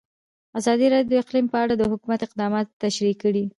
ازادي راډیو د اقلیم په اړه د حکومت اقدامات تشریح کړي.